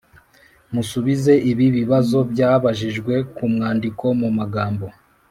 musubize ibi bibazo byabajijwe ku mwandiko mu magambo